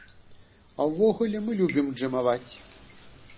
А ўвогуле мы любім джэмаваць.